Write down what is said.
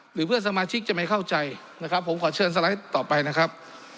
หรือเพื่อนสมาชิกจะไม่เข้าใจนะครับผมขอเชิญสไลด์ต่อไปนะครับ